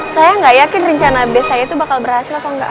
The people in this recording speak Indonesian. saya nggak yakin rencana bis saya itu bakal berhasil atau enggak